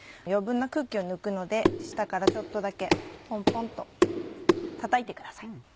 余分な空気を抜くので下からちょっとだけポンポンとたたいてください。